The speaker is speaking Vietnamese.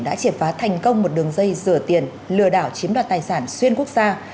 đã triệt phá thành công một đường dây rửa tiền lừa đảo chiếm đoạt tài sản xuyên quốc gia